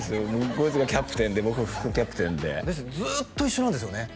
こいつがキャプテンで僕副キャプテンでずっと一緒なんですよね？